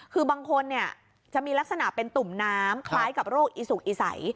คือบางคนเนี่ยจะมีลักษณะเป็นตุ่มน้ำคล้ายกับโรคอีสุกอีใส